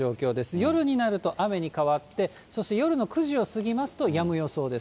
夜になると雨に変わって、そして夜の９時を過ぎますと、やむ予想です。